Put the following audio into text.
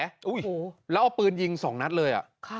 แล้วเอาปืนยิงสองนัดเลย